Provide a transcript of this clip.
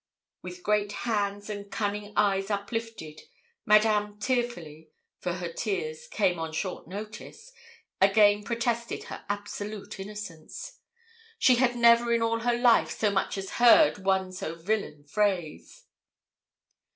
With great hands and cunning eyes uplifted, Madame tearfully for her tears came on short notice again protested her absolute innocence. She had never in all her life so much as heard one so villain phrase.